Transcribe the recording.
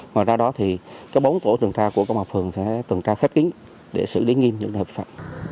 ngoài ra đó thì bốn tổ tuần tra của công an phường sẽ tuần tra khép kiến để xử lý nghiêm những trường hợp vi phạm